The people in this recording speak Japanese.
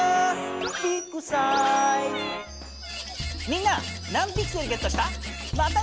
みんな何ピクセルゲットした？